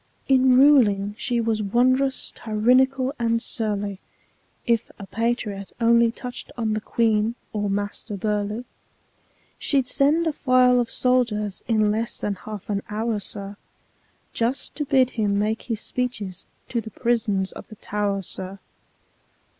In ruling she was wonderous tyrannical and surly; If a patriot only touch'd on the Queen or Master Burleigh, She'd send a file of soldiers in less than half an hour, sir, Just to bid him make his speeches to the prisons of the Tow'r, sir!